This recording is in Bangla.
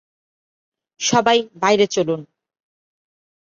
সবাই বাইরে চলুন!